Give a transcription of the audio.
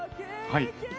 はい。